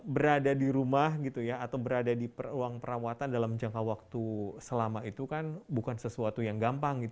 berada di rumah gitu ya atau berada di ruang perawatan dalam jangka waktu selama itu kan bukan sesuatu yang gampang